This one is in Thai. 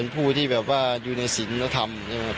ปูที่อยู่ในศิลป์ธรรม